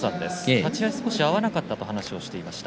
立ち合い少し、合わなかったということを話しています。